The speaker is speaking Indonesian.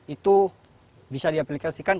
itu bisa di aplikasikan